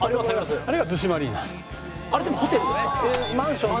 あれってホテルですか？